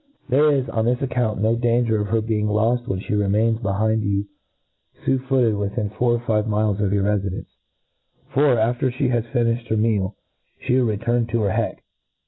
There is, on this account, no danger of her being loft when fhe remains be hind you fu' footed within four or five miles of your refidence ; for, after fhe has finifhed her meal, flie will return to her hecfe.